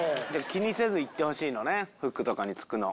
気にせずいってほしいのね服とかにつくの。